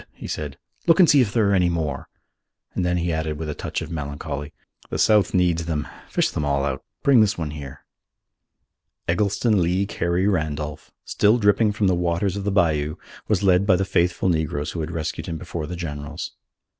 he said. "Look and see if there are many more," and then he added with a touch of melancholy, "The South needs them: fish them all out. Bring this one here." Eggleston Lee Carey Randolph, still dripping from the waters of the bayou, was led by the faithful negroes who had rescued him before the generals.